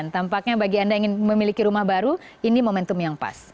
tampaknya bagi anda yang ingin memiliki rumah baru ini momentum yang pas